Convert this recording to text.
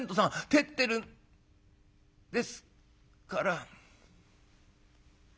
照ってるんですから」。